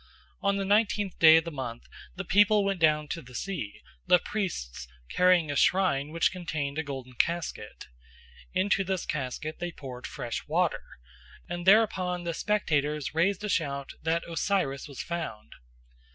On the nineteenth day of the month the people went down to the sea, the priests carrying a shrine which contained a golden casket. Into this casket they poured fresh water, and thereupon the spectators raised a shout that Osiris was found.